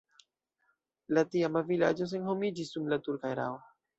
La tiama vilaĝo senhomiĝis dum la turka erao.